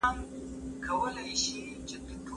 که وخت وي، سبزیجات جمع کوم،